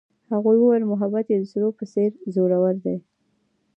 هغې وویل محبت یې د سرود په څېر ژور دی.